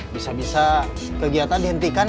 bisa bisa kegiatan dihentikan